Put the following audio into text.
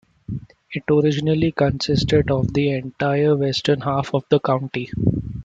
It originally consisted of the entire western half of the county.